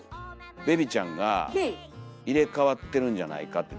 ベビちゃんが入れ代わってるんじゃないか誰かと。